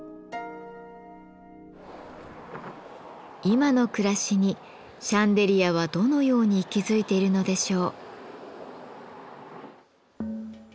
今の暮らしにシャンデリアはどのように息づいているのでしょう？